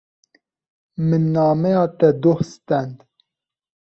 Min nameya te doh stend.